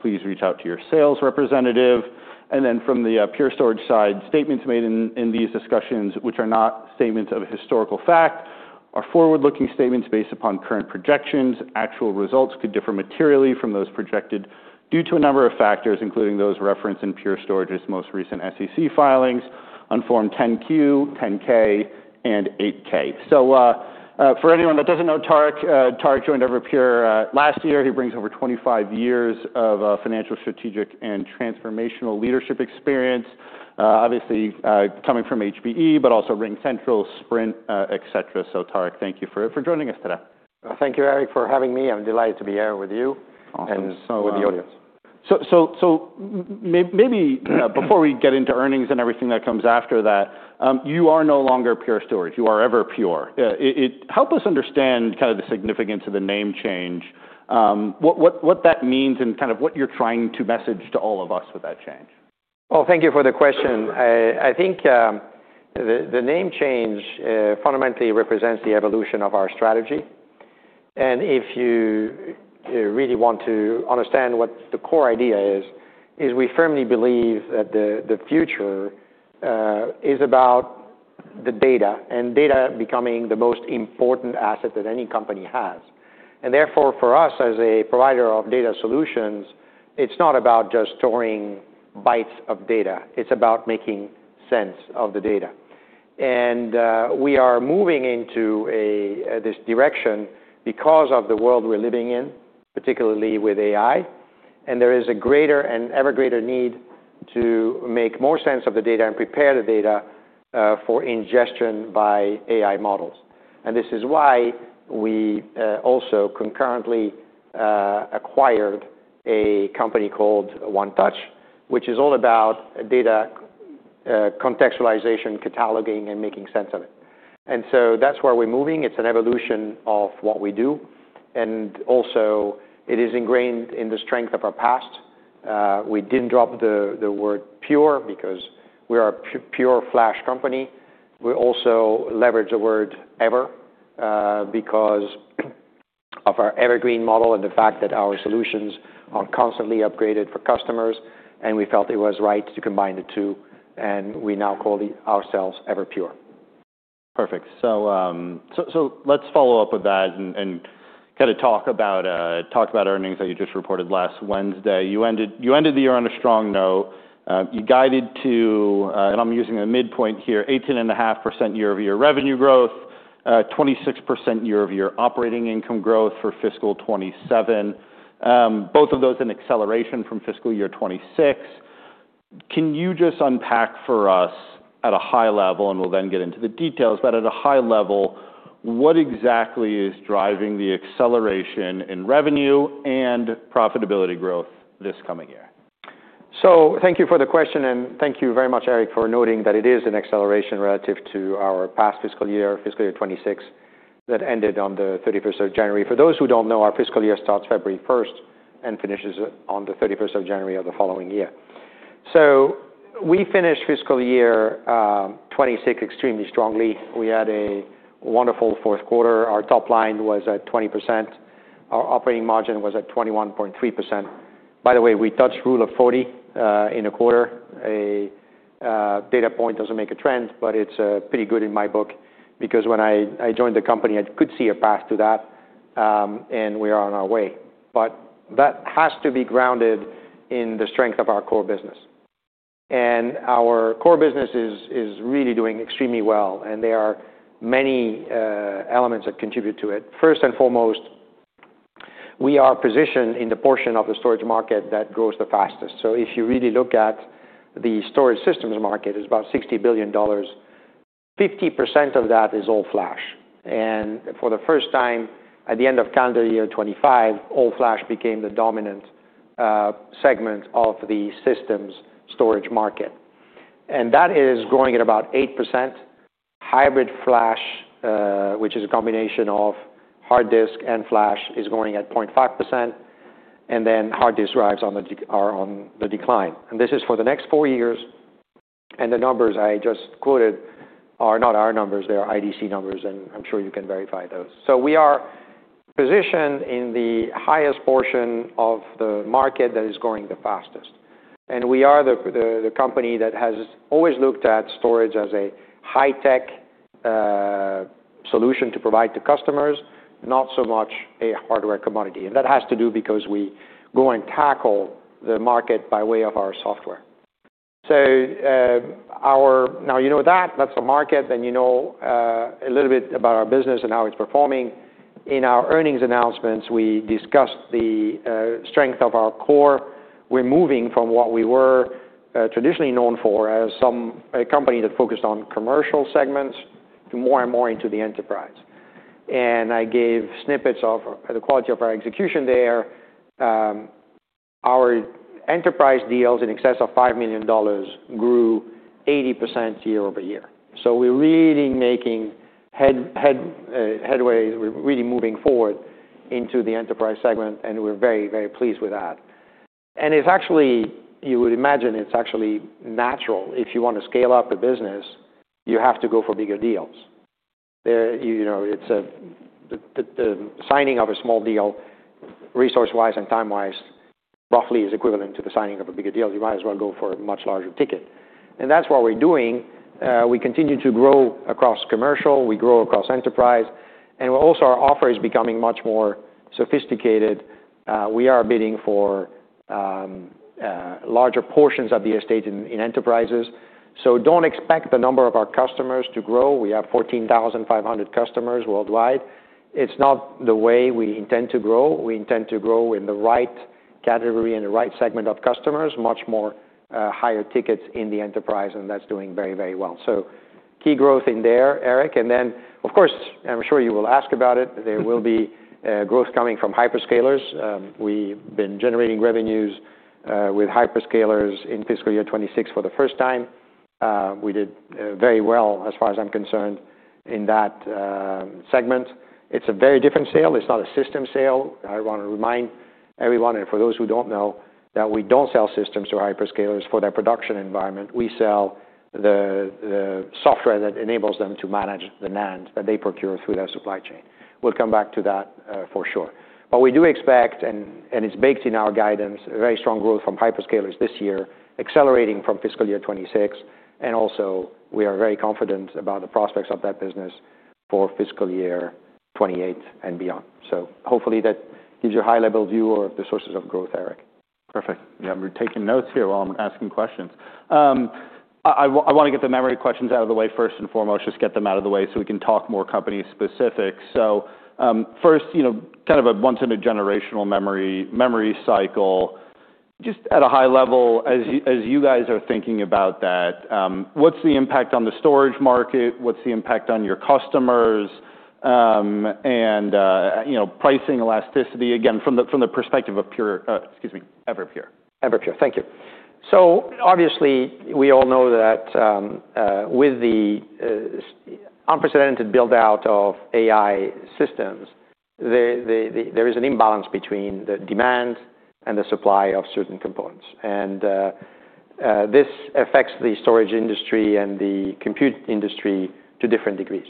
Please reach out to your sales representative. From the Pure Storage side, statements made in these discussions, which are not statements of historical fact, are forward-looking statements based upon current projections. Actual results could differ materially from those projected due to a number of factors, including those referenced in Pure Storage's most recent SEC filings on form 10-Q, 10-K and 8-K. For anyone that doesn't know Tarek joined Everpure last year. He brings over 25 years of financial, strategic, and transformational leadership experience. Obviously, coming from HPE, but also RingCentral, Sprint, et cetera. Tarek, thank you for joining us today. Thank you, Erik, for having me. I'm delighted to be here with you- Awesome. With the audience. Maybe before we get into earnings and everything that comes after that, you are no longer Pure Storage. You are Everpure. help us understand kind of the significance of the name change, what that means and kind of what you're trying to message to all of us with that change? Well, thank you for the question. I think the name change fundamentally represents the evolution of our strategy. If you really want to understand what the core idea is, we firmly believe that the future is about the data, and data becoming the most important asset that any company has. Therefore, for us, as a provider of data solutions, it's not about just storing bytes of data. It's about making sense of the data. We are moving into this direction because of the world we're living in, particularly with AI. There is a greater and ever greater need to make more sense of the data and prepare the data for ingestion by AI models. This is why we also concurrently acquired a company called 1touch.io, which is all about data contextualization, cataloging, and making sense of it. That's where we're moving. It's an evolution of what we do, and also it is ingrained in the strength of our past. We didn't drop the word Pure because we are a Pure Flash company. We also leverage the word Ever because of our Evergreen model and the fact that our solutions are constantly upgraded for customers, and we felt it was right to combine the two, and we now call it ourselves Everpure. Perfect. Let's follow up with that and kinda talk about earnings that you just reported last Wednesday. You ended the year on a strong note. You guided to, and I'm using a midpoint here, 18.5% year-over-year revenue growth, 26% year-over-year operating income growth for fiscal year 2027. Both of those in acceleration from fiscal year 2026. Can you just unpack for us at a high level, and we'll then get into the details, but at a high level, what exactly is driving the acceleration in revenue and profitability growth this coming year? Thank you for the question, and thank you very much, Erik, for noting that it is an acceleration relative to our past fiscal year, fiscal year 2026, that ended on the 31st of January. For those who don't know, our fiscal year starts February 1st and finishes on the January 31st of the following year. We finished fiscal year 2026 extremely strongly. We had a wonderful fourth quarter. Our top line was at 20%. Our operating margin was at 21.3%. By the way, we touched Rule of 40 in a quarter. A data point doesn't make a trend, but it's pretty good in my book because when I joined the company, I could see a path to that, and we are on our way. That has to be grounded in the strength of our core business. Our core business is really doing extremely well, and there are many elements that contribute to it. First and foremost, we are positioned in the portion of the storage market that grows the fastest. If you really look at the storage systems market, it's about $60 billion. 50% of that is All-Flash. For the first time, at the end of calendar year 2025, All-Flash became the dominant segment of the systems storage market. That is growing at about 8%. Hybrid Flash, which is a combination of hard disk and Flash, is growing at 0.5%. Hard disk drives are on the decline. This is for the next four years. The numbers I just quoted are not our numbers, they are IDC numbers, and I'm sure you can verify those. We are positioned in the highest portion of the market that is growing the fastest. We are the company that has always looked at storage as a high-tech solution to provide to customers, not so much a hardware commodity. That has to do because we go and tackle the market by way of our software. Now you know that's the market, and you know a little bit about our business and how it's performing. In our earnings announcements, we discussed the strength of our core. We're moving from what we were traditionally known for as a company that focused on commercial segments to more and more into the enterprise. I gave snippets of the quality of our execution there. Our enterprise deals in excess of $5 million grew 80% year-over-year. We're really making headway. We're really moving forward into the enterprise segment, and we're very, very pleased with that. It's actually, you would imagine, it's actually natural. If you want to scale up a business, you have to go for bigger deals. You know, the signing of a small deal, resource-wise and time-wise, roughly is equivalent to the signing of a bigger deal. You might as well go for a much larger ticket. That's what we're doing. We continue to grow across commercial, we grow across enterprise, and also our offer is becoming much more sophisticated. We are bidding for larger portions of the estate in enterprises. Don't expect the number of our customers to grow. We have 14,500 customers worldwide. It's not the way we intend to grow. We intend to grow in the right category and the right segment of customers, much more, higher tickets in the enterprise. That's doing very, very well. Key growth in there, Erik. Of course, I'm sure you will ask about it, there will be growth coming from hyperscalers. We've been generating revenues with hyperscalers in fiscal year 2026 for the first time. We did very well as far as I'm concerned in that segment. It's a very different sale. It's not a system sale. I want to remind everyone, for those who don't know, that we don't sell systems to hyperscalers for their production environment. We sell the software that enables them to manage the NAND that they procure through their supply chain. We'll come back to that for sure. We do expect, and it's baked in our guidance, very strong growth from hyperscalers this year, accelerating from fiscal year 2026. Also, we are very confident about the prospects of that business for fiscal year 2028 and beyond. Hopefully that gives you a high-level view of the sources of growth, Erik. Perfect. Yeah, we're taking notes here while I'm asking questions. I wanna get the memory questions out of the way first and foremost, just get them out of the way, so we can talk more company specifics. First, you know, kind of a once in a generational memory cycle. Just at a high level, as you guys are thinking about that, what's the impact on the storage market? What's the impact on your customers? You know, pricing elasticity, again, from the perspective of Pure, excuse me, Everpure. Everpure, thank you. Obviously, we all know that, with the unprecedented build-out of AI systems, the there is an imbalance between the demand and the supply of certain components. This affects the storage industry and the compute industry to different degrees.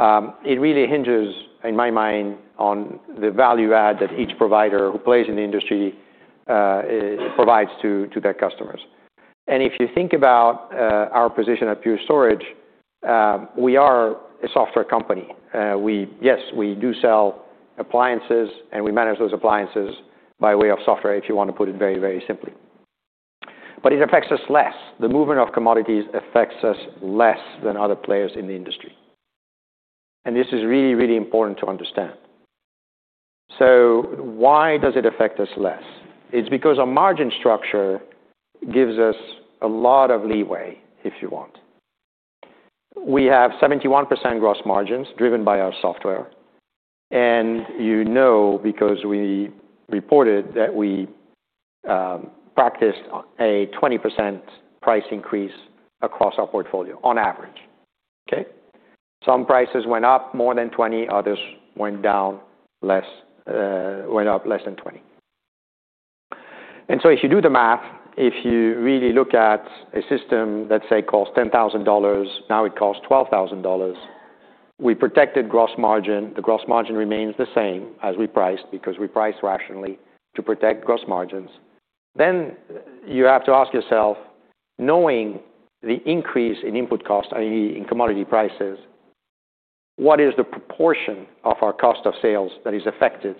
It really hinges, in my mind, on the value add that each provider who plays in the industry, provides to their customers. If you think about our position at Pure Storage, we are a software company. Yes, we do sell appliances, and we manage those appliances by way of software, if you want to put it very simply. It affects us less. The movement of commodities affects us less than other players in the industry. This is really important to understand. Why does it affect us less? It's because our margin structure gives us a lot of leeway, if you want. We have 71% gross margins driven by our software. You know, because we reported that we practiced a 20% price increase across our portfolio on average. Okay? Some prices went up more than %20, others went down less, went up less than %20. If you do the math, if you really look at a system that, say, costs $10,000, now it costs $12,000, we protected gross margin. The gross margin remains the same as we priced because we price rationally to protect gross margins. You have to ask yourself, knowing the increase in input cost, i.e., in commodity prices, what is the proportion of our cost of sales that is affected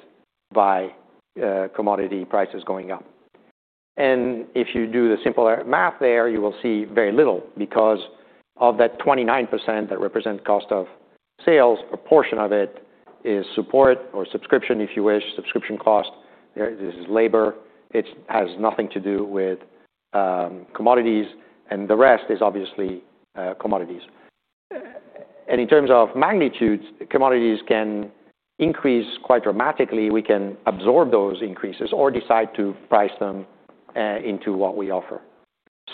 by commodity prices going up? If you do the simple math there, you will see very little because of that 29% that represent cost of sales, proportion of it is support or subscription, if you wish, subscription cost. This is labor. It has nothing to do with commodities, and the rest is obviously commodities. In terms of magnitudes, commodities can increase quite dramatically. We can absorb those increases or decide to price them into what we offer.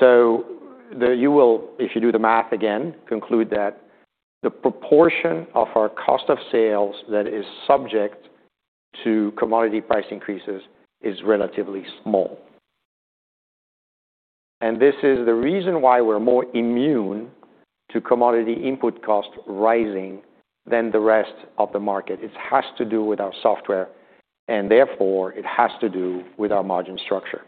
You will, if you do the math, again, conclude that the proportion of our cost of sales that is subject to commodity price increases is relatively small. This is the reason why we're more immune to commodity input cost rising than the rest of the market. It has to do with our software, and therefore it has to do with our margin structure.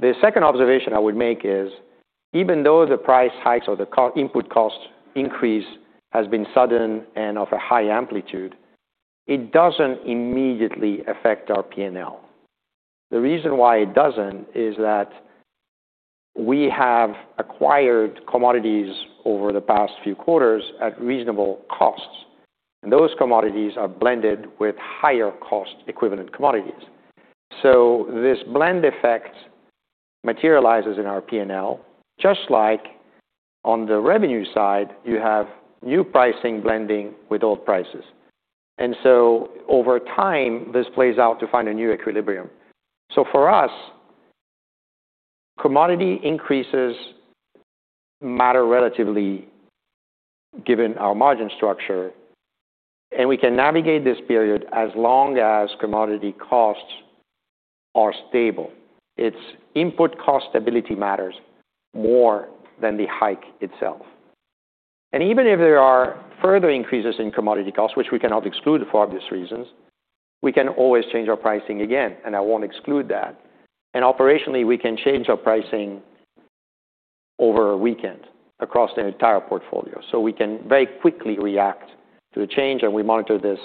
The second observation I would make is, even though the price hikes or the input cost increase has been sudden and of a high amplitude, it doesn't immediately affect our P&L. The reason why it doesn't is that we have acquired commodities over the past few quarters at reasonable costs, and those commodities are blended with higher cost equivalent commodities. This blend effect materializes in our P&L, just like on the revenue side, you have new pricing blending with old prices. Over time, this plays out to find a new equilibrium. For us, commodity increases matter relatively given our margin structure, and we can navigate this period as long as commodity costs are stable. It's input cost stability matters more than the hike itself. Even if there are further increases in commodity costs, which we cannot exclude for obvious reasons, we can always change our pricing again, and I won't exclude that. Operationally, we can change our pricing over a weekend across the entire portfolio. We can very quickly react to a change, and we monitor this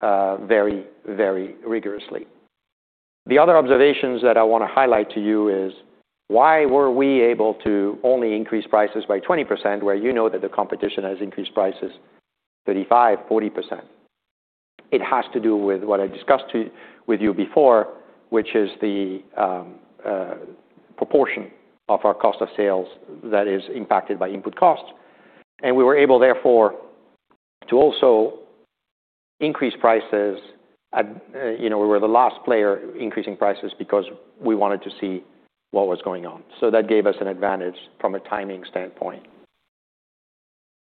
very, very rigorously. The other observations that I wanna highlight to you is why were we able to only increase prices by 20%, where you know that the competition has increased prices 35%-40%? It has to do with what I discussed with you before, which is the proportion of our cost of sales that is impacted by input costs. We were able, therefore, to also increase prices at, you know, we were the last player increasing prices because we wanted to see what was going on. That gave us an advantage from a timing standpoint.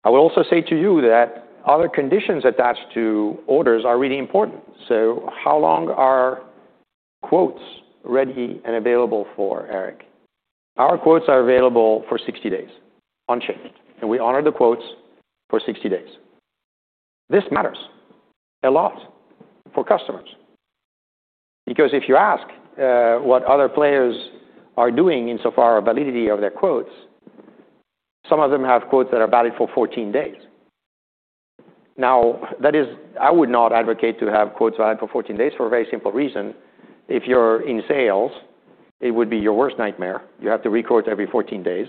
I will also say to you that other conditions attached to orders are really important. How long are quotes ready and available for, Erik? Our quotes are available for 60 days unchanged, and we honor the quotes for 60 days. This matters a lot for customers. If you ask what other players are doing in so far validity of their quotes, some of them have quotes that are valid for 14 days. That is, I would not advocate to have quotes valid for 14 days for a very simple reason. If you're in sales, it would be your worst nightmare. You have to re-quote every 14 days.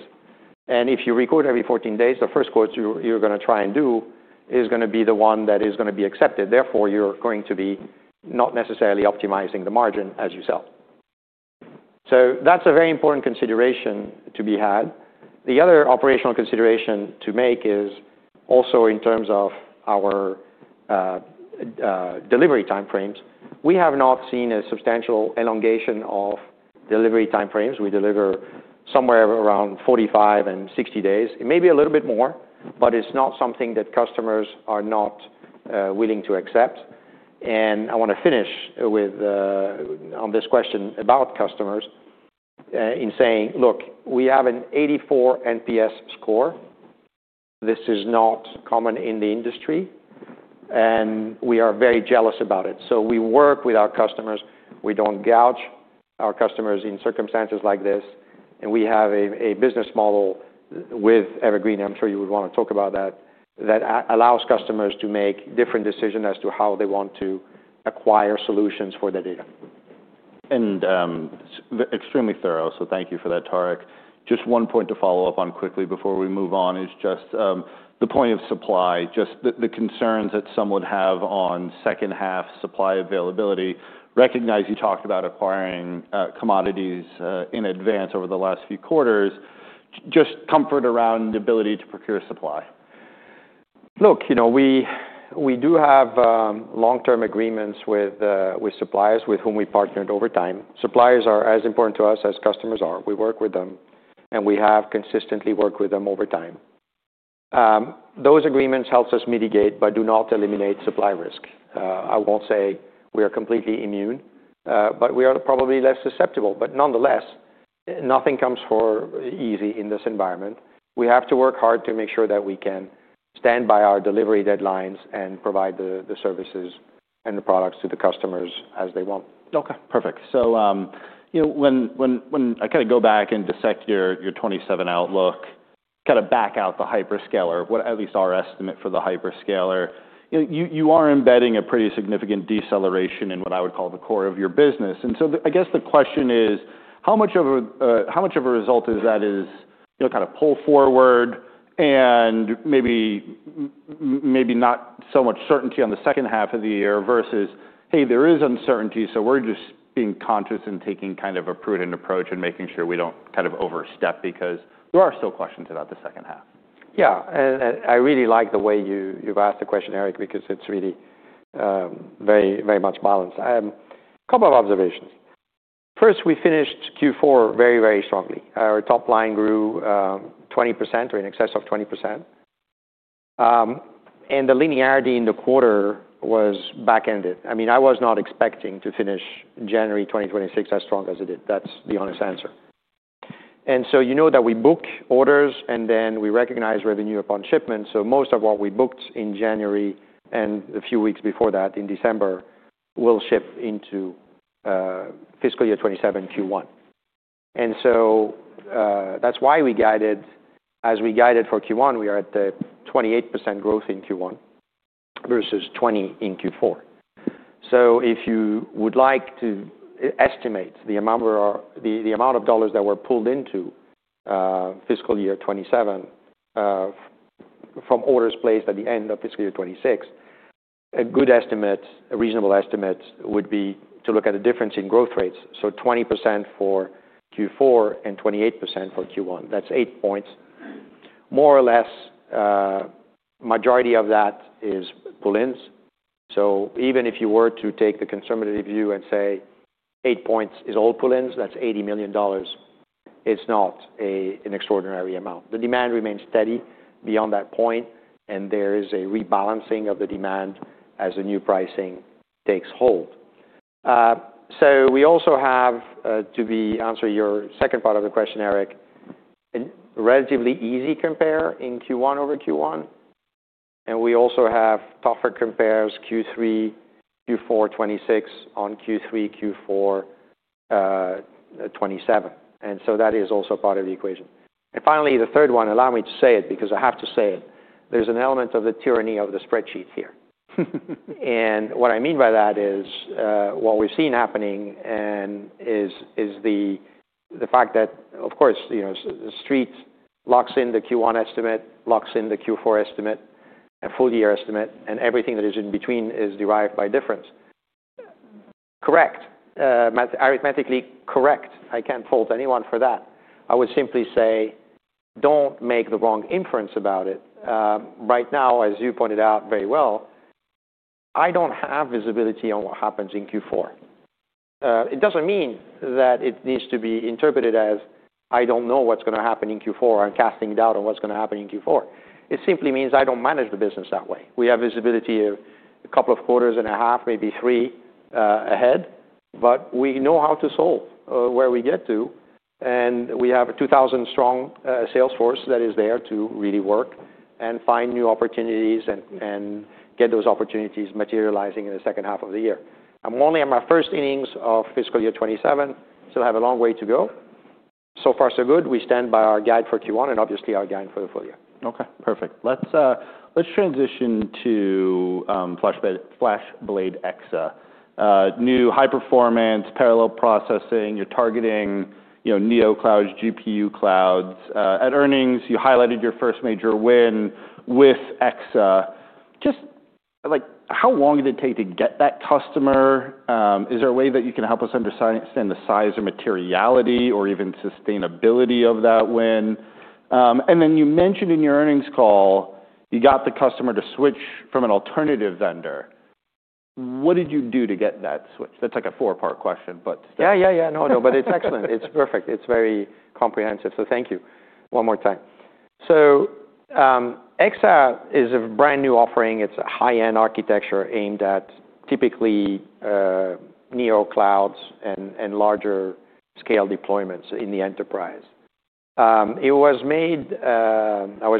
If you re-quote every 14 days, the first quote you're gonna try and do is gonna be the one that is gonna be accepted. Therefore, you're going to be not necessarily optimizing the margin as you sell. That's a very important consideration to be had. The other operational consideration to make is also in terms of our delivery time frames. We have not seen a substantial elongation of delivery time frames. We deliver somewhere around 45 and 60 days. It may be a little bit more, but it's not something that customers are not willing to accept. I wanna finish with on this question about customers in saying, look, we have an 84 NPS score. This is not common in the industry, and we are very jealous about it. We work with our customers. We don't gouge our customers in circumstances like this, we have a business model with Evergreen, I'm sure you would wanna talk about that allows customers to make different decisions as to how they want to acquire solutions for their data. Extremely thorough, so thank you for that, Tarek. Just one point to follow up on quickly before we move on is just the point of supply, just the concerns that some would have on second half supply availability. Recognize you talked about acquiring commodities in advance over the last few quarters. Just comfort around the ability to procure supply. Look, you know, we do have long-term agreements with suppliers with whom we partnered over time. Suppliers are as important to us as customers are. We work with them, and we have consistently worked with them over time. Those agreements helps us mitigate but do not eliminate supply risk. I won't say we are completely immune, but we are probably less susceptible. Nonetheless, nothing comes for easy in this environment. We have to work hard to make sure that we can stand by our delivery deadlines and provide the services and the products to the customers as they want. Okay, perfect. You know, when I kinda go back and dissect your 2027 outlook, kinda back out the hyperscaler, what at least our estimate for the hyperscaler, you are embedding a pretty significant deceleration in what I would call the core of your business. I guess the question is, how much of a, how much of a result is that is, you know, kinda pull forward and maybe not so much certainty on the second half of the year versus, hey, there is uncertainty, so we're just being conscious and taking kind of a prudent approach and making sure we don't kind of overstep because there are still questions about the second half. I really like the way you've asked the question, Erik, because it's really very, very much balanced. Couple of observations. First, we finished Q4 very, very strongly. Our top line grew 20% or in excess of 20%. The linearity in the quarter was back-ended. I mean, I was not expecting to finish January 2026 as strong as it did. That's the honest answer. You know that we book orders, we recognize revenue upon shipment. Most of what we booked in January and a few weeks before that in December will ship into fiscal year 2027 Q1. That's why we guided as we guided for Q1, we are at the 28% growth in Q1 versus 20% in Q4. If you would like to estimate the amount of dollars that were pulled into fiscal year 2027 from orders placed at the end of fiscal year 2026, a good estimate, a reasonable estimate would be to look at the difference in growth rates. 20% for Q4 and 28% for Q1. That's 8 points. More or less, majority of that is pull-ins. Even if you were to take the conservative view and say 8 points is all pull-ins, that's $80 million. It's not an extraordinary amount. The demand remains steady beyond that point, and there is a rebalancing of the demand as the new pricing takes hold. We also have to answer your second part of the question, Erik, a relatively easy compare in Q1 over Q1. We also have tougher compares Q3, Q4 2026 on Q3, Q4 2027. That is also part of the equation. Finally, the third one, allow me to say it because I have to say it. There's an element of the tyranny of the spreadsheet here. What I mean by that is, what we've seen happening and is the fact that, of course, you know, The Street locks in the Q1 estimate, locks in the Q4 estimate and full year estimate, and everything that is in between is derived by difference. Correct, arithmetically correct. I can't fault anyone for that. I would simply say, don't make the wrong inference about it. Right now, as you pointed out very well, I don't have visibility on what happens in Q4. It doesn't mean that it needs to be interpreted as I don't know what's gonna happen in Q4. I'm casting doubt on what's gonna happen in Q4. It simply means I don't manage the business that way. We have visibility a couple of quarters and a half, maybe three ahead, but we know how to solve where we get to. We have a 2,000 strong sales force that is there to really work and find new opportunities and get those opportunities materializing in the second half of the year. I'm only on my first innings of fiscal year 2027, so I have a long way to go. So far so good. We stand by our guide for Q1 and obviously our guide for the full year. Okay, perfect. Let's transition to FlashBlade//EXA, new high performance, parallel processing. You're targeting, you know, Neoclouds' GPU clouds. At earnings, you highlighted your first major win with EXA. Just like, how long did it take to get that customer? Is there a way that you can help us understand the size or materiality or even sustainability of that win? Then you mentioned in your earnings call you got the customer to switch from an alternative vendor. What did you do to get that switch? That's like a four-part question, but Yeah, yeah. No, no, but it's excellent. It's perfect. It's very comprehensive. Thank you one more time. EXA is a brand new offering. It's a high-end architecture aimed at typically Neoclouds and larger scale deployments in the enterprise. I was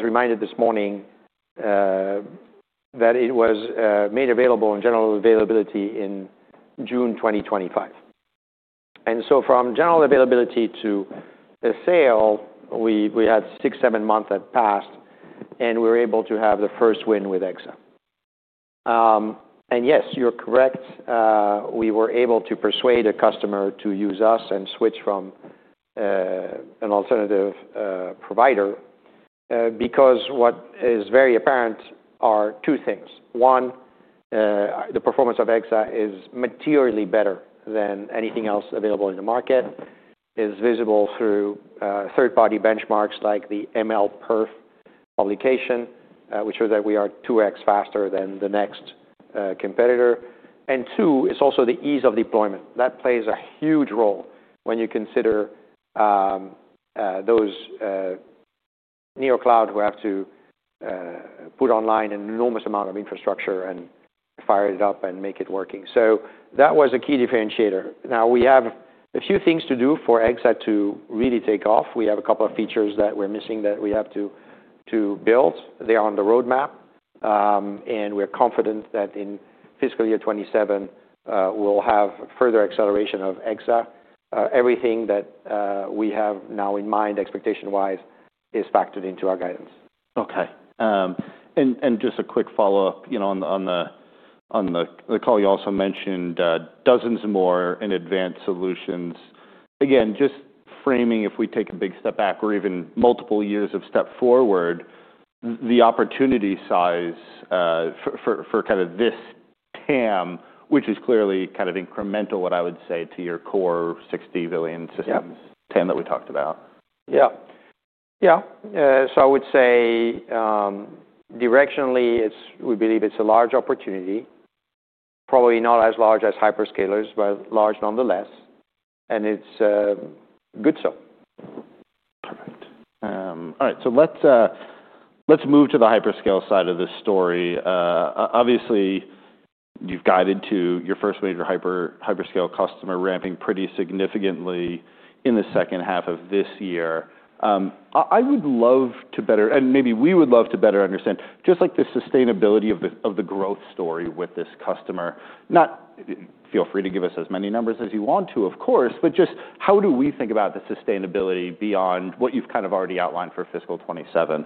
reminded this morning that it was made available in general availability in June 2025. From general availability to a sale, we had 6, 7 months had passed, and we were able to have the first win with EXA. Yes, you're correct. We were able to persuade a customer to use us and switch from an alternative provider because what is very apparent are 2 things. 1, the performance of EXA is materially better than anything else available in the market. It's visible through third-party benchmarks like the MLPerf publication, which shows that we are 2x faster than the next competitor. Two, it's also the ease of deployment. That plays a huge role when you consider those Neoclouds who have to put online an enormous amount of infrastructure and fire it up and make it working. That was a key differentiator. Now we have a few things to do for EXA to really take off. We have a couple of features that we're missing that we have to build. They are on the roadmap. We're confident that in fiscal year 2027, we'll have further acceleration of EXA. Everything that we have now in mind expectation-wise is factored into our guidance. Okay. Just a quick follow-up. You know, on the call, you also mentioned dozens more in advanced solutions. Again, just framing, if we take a big step back or even multiple years of step forward, the opportunity size for kind of this TAM, which is clearly kind of incremental, what I would say to your core $60 billion systems- Yep. TAM that we talked about. Yeah. Yeah. I would say, directionally, we believe it's a large opportunity, probably not as large as hyperscalers, but large nonetheless, and it's good. Perfect. All right, let's move to the hyperscale side of this story. Obviously, you've guided to your first major hyperscale customer ramping pretty significantly in the second half of this year. I would love to better, and maybe we would love to better understand just like the sustainability of the growth story with this customer. Not... Feel free to give us as many numbers as you want to, of course, just how do we think about the sustainability beyond what you've kind of already outlined for fiscal 2027?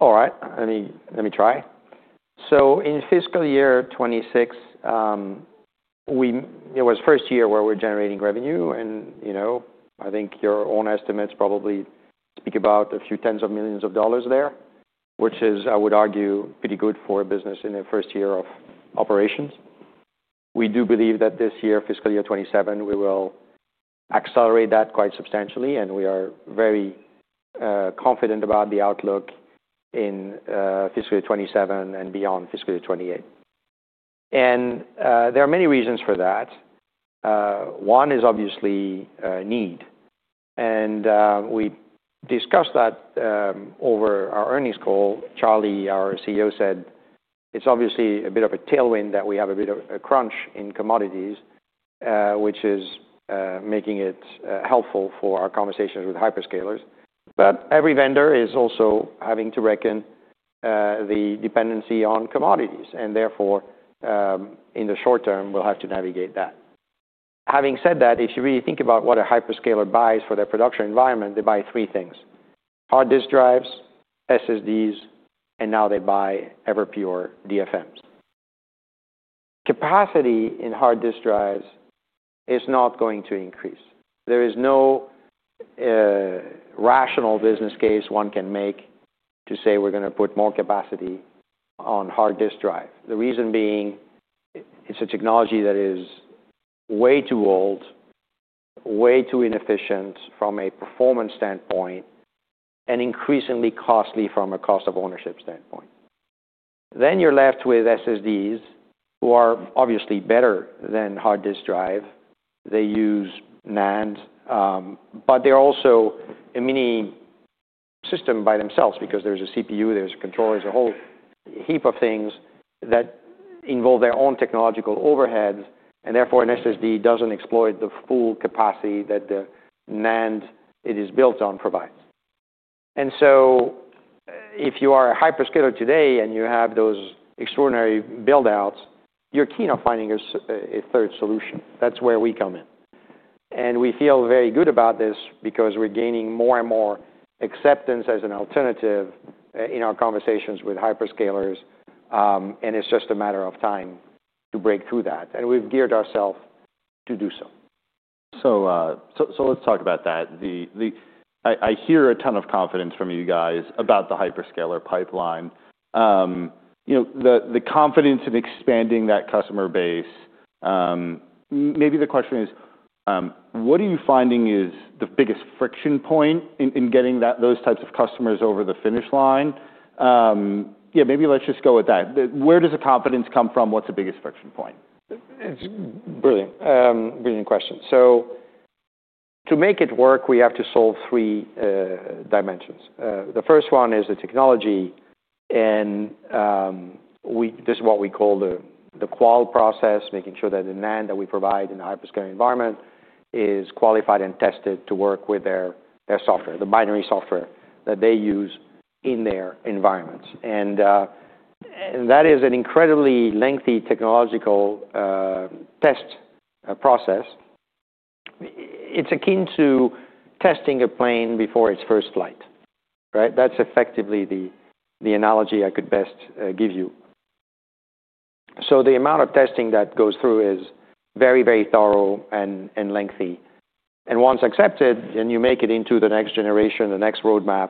All right. Let me try. In fiscal year 2026, it was first year where we're generating revenue, you know, I think your own estimates probably speak about a few tens of millions of dollars there, which is, I would argue, pretty good for a business in their first year of operations. We do believe that this year, fiscal year 2027, we will accelerate that quite substantially. We are very confident about the outlook in fiscal year 2027 and beyond fiscal year 2028. There are many reasons for that. One is obviously need. We discussed that over our earnings call. Charlie, our CEO, said it's obviously a bit of a tailwind that we have a bit of a crunch in commodities, which is making it helpful for our conversations with hyperscalers. Every vendor is also having to reckon the dependency on commodities, and therefore, in the short term, we'll have to navigate that. Having said that, if you really think about what a hyperscaler buys for their production environment, they buy Three things: hard disk drives, SSDs, and now they buy Everpure DFMs. Capacity in hard disk drives is not going to increase. There is no rational business case one can make to say we're gonna put more capacity on hard disk drive. The reason being, it's a technology that is way too old, way too inefficient from a performance standpoint, and increasingly costly from a cost of ownership standpoint. You're left with SSDs, who are obviously better than hard disk drive. They use NAND, but they're also a mini system by themselves because there's a CPU, there's a controller, there's a whole heap of things that involve their own technological overheads, and therefore an SSD doesn't exploit the full capacity that the NAND it is built on provides. So if you are a hyperscaler today and you have those extraordinary build-outs, you're keen on finding a third solution. That's where we come in. We feel very good about this because we're gaining more and more acceptance as an alternative in our conversations with hyperscalers, and it's just a matter of time to break through that, and we've geared ourself to do so. Let's talk about that. I hear a ton of confidence from you guys about the hyperscaler pipeline. You know, the confidence in expanding that customer base, maybe the question is, what are you finding is the biggest friction point in getting those types of customers over the finish line? Yeah, maybe let's just go with that. Where does the confidence come from? What's the biggest friction point? It's brilliant question. To make it work, we have to solve three dimensions. The first one is the technology, this is what we call the qual process, making sure that the NAND that we provide in the hyperscaler environment is qualified and tested to work with their software, the binary software that they use in their environments. That is an incredibly lengthy technological test process. It's akin to testing a plane before its first flight, right? That's effectively the analogy I could best give you. The amount of testing that goes through is very, very thorough and lengthy. Once accepted, then you make it into the next generation, the next roadmap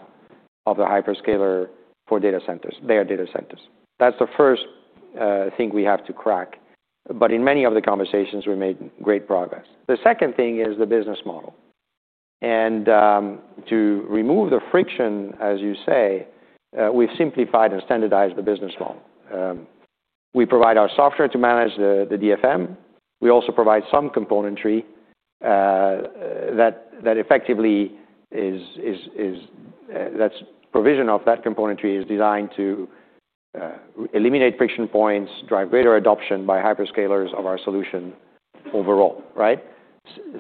of the hyperscaler for data centers, their data centers. That's the first thing we have to crack. In many of the conversations, we made great progress. The second thing is the business model. To remove the friction, as you say, we've simplified and standardized the business model. We provide our software to manage the DFM. We also provide some componentry that effectively, that's provision of that componentry is designed to eliminate friction points, drive greater adoption by hyperscalers of our solution overall, right?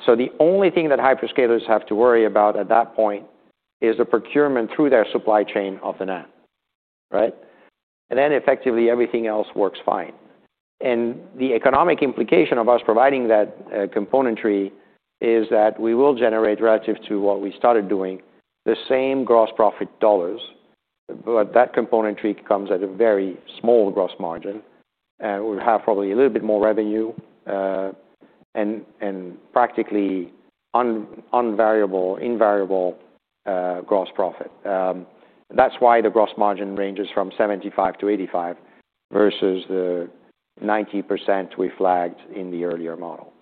So the only thing that hyperscalers have to worry about at that point is the procurement through their supply chain of the NAND, right? Then effectively everything else works fine. The economic implication of us providing that componentry is that we will generate relative to what we started doing the same gross profit dollars, but that componentry comes at a very small gross margin. We have probably a little bit more revenue and practically invariable gross profit. That's why the gross margin ranges from 75%-85% versus the 90% we flagged in the earlier model.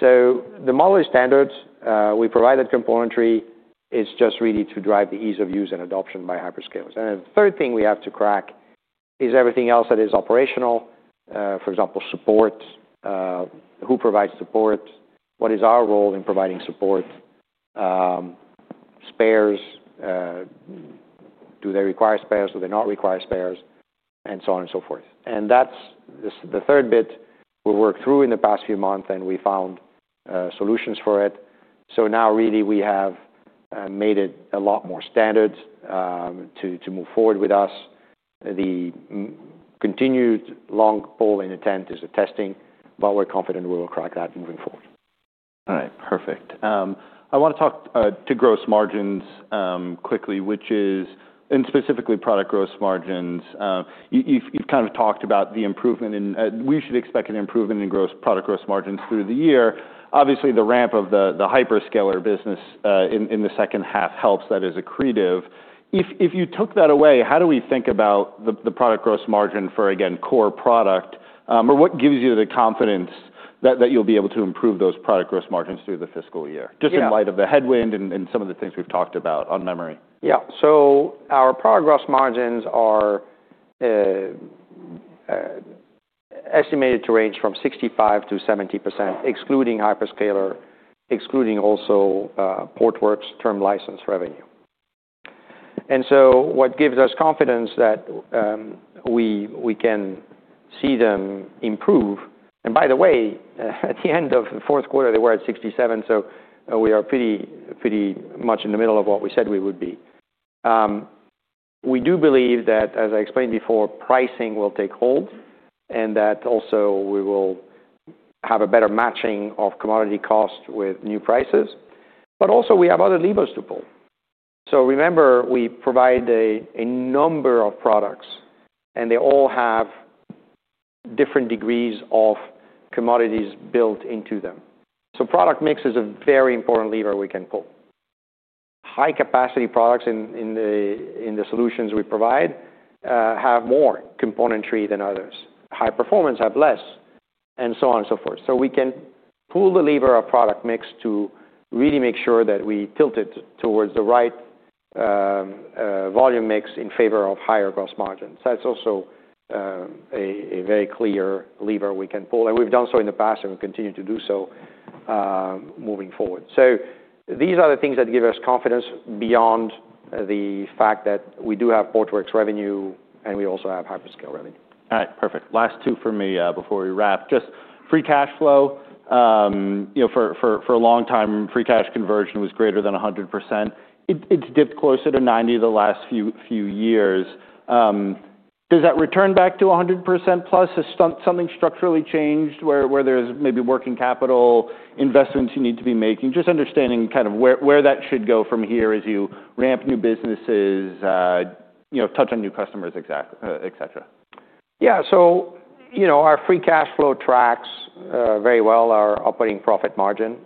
The model is standard. We provided componentry. It's just really to drive the ease of use and adoption by hyperscalers. The third thing we have to crack is everything else that is operational. For example, support, who provides support? What is our role in providing support? Spares, do they require spares? Do they not require spares? So on and so forth. That's this the third bit we worked through in the past few months, and we found solutions for it. Now really we have made it a lot more standard to move forward with us. The continued long pole in the tent is the testing. We're confident we will crack that moving forward. All right. Perfect. I want to talk to gross margins quickly, which is and specifically product gross margins. You've kind of talked about the improvement in we should expect an improvement in product gross margins through the year. Obviously, the ramp of the hyperscaler business in the second half helps. That is accretive. If you took that away, how do we think about the product gross margin for, again, core product? What gives you the confidence that you'll be able to improve those product gross margins through the fiscal year? Yeah. Just in light of the headwind and some of the things we've talked about on memory. Yeah. Our product gross margins are estimated to range from 65%-70%, excluding hyperscaler, excluding also Portworx term license revenue. What gives us confidence that we can see them improve. By the way, at the end of the fourth quarter, they were at 67, so we are pretty much in the middle of what we said we would be. We do believe that, as I explained before, pricing will take hold, and that also we will have a better matching of commodity costs with new prices. Also we have other levers to pull. Remember, we provide a number of products, and they all have different degrees of commodities built into them. Product mix is a very important lever we can pull. High-capacity products in the solutions we provide have more componentry than others. High performance have less, and so on and so forth. We can pull the lever of product mix to really make sure that we tilt it towards the right volume mix in favor of higher gross margins. That's also a very clear lever we can pull, and we've done so in the past, and we continue to do so moving forward. These are the things that give us confidence beyond the fact that we do have Portworx revenue, and we also have hyperscale revenue. All right. Perfect. Last two for me before we wrap. Just free cash flow, you know, for a long time, free cash conversion was greater than 100%. It's dipped closer to 90% the last few years. Does that return back to 100% plus? Has something structurally changed where there's maybe working capital investments you need to be making? Just understanding kind of where that should go from here as you ramp new businesses, you know, touch on new customers et cetera. Yeah. you know, our free cash flow tracks very well our operating profit margin.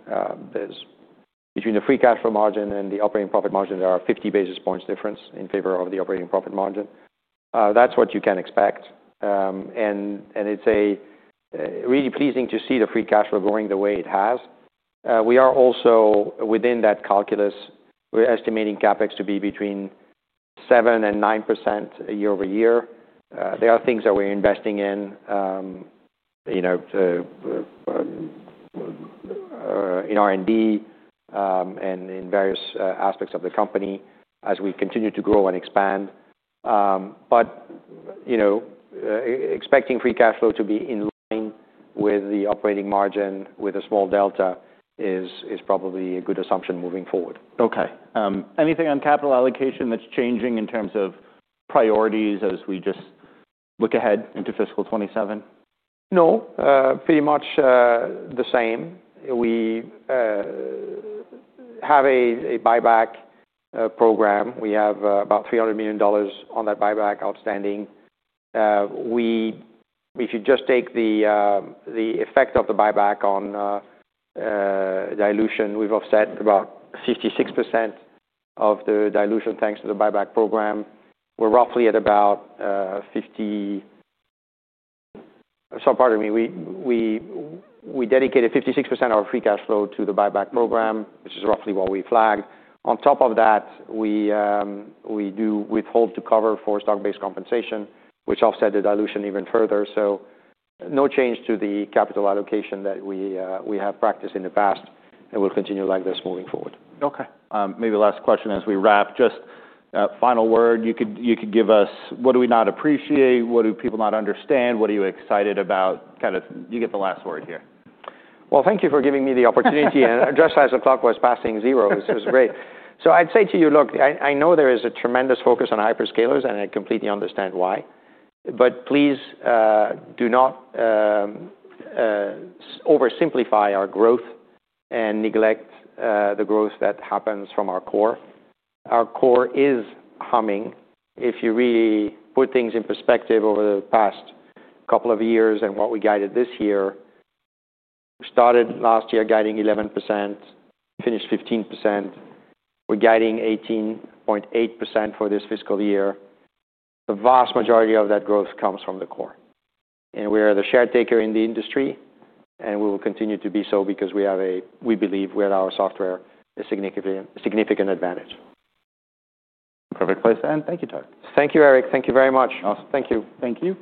Between the free cash flow margin and the operating profit margin, there are 50 basis points difference in favor of the operating profit margin. That's what you can expect. And it's a really pleasing to see the free cash flow growing the way it has. We are also within that calculus, we're estimating CapEx to be between 7% and 9% year-over-year. There are things that we're investing in, you know, in R&D and in various aspects of the company as we continue to grow and expand. you know, expecting free cash flow to be in line with the operating margin with a small delta is probably a good assumption moving forward. Okay. anything on capital allocation that's changing in terms of priorities as we just look ahead into fiscal 2027? No. Pretty much the same. We have a buyback program. We have about $300 million on that buyback outstanding. We, if you just take the effect of the buyback on dilution, we've offset about 56% of the dilution, thanks to the buyback program. We're roughly at about. Pardon me. We dedicated 56% of our free cash flow to the buyback program, which is roughly what we flagged. On top of that, we do withhold to cover for stock-based compensation, which offset the dilution even further. No change to the capital allocation that we have practiced in the past, and we'll continue like this moving forward. Okay. Maybe last question as we wrap. Just a final word you could give us. What do we not appreciate? What do people not understand? What are you excited about? Kind of you get the last word here. Well, thank you for giving me the opportunity. Just as the clock was passing zero, this is great. I'd say to you, look, I know there is a tremendous focus on hyperscalers, and I completely understand why. Please, do not oversimplify our growth and neglect the growth that happens from our core. Our core is humming. If you really put things in perspective over the past couple of years and what we guided this year, we started last year guiding 11%, finished 15%. We're guiding 18.8% for this fiscal year. The vast majority of that growth comes from the core. We are the share taker in the industry, and we will continue to be so because we believe we have our software a significant advantage. Perfect place to end. Thank you, Tarek. Thank you, Erik. Thank you very much. Awesome. Thank you. Thank you.